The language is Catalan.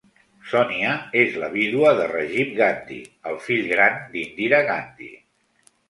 Sonia és la vídua de Rajiv Gandhi, el fill gran d'Indira Gandhi.